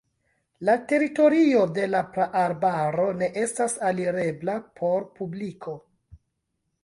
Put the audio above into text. La teritorio de la praarbaro ne estas alirebla por publiko.